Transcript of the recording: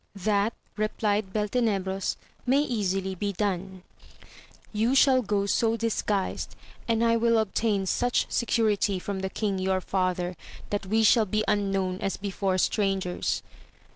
That, replied Beltenebros, may easily be done, you shall go so disguised, and I will obtain such security from the king your father, that we shall be as unknown as before strangers.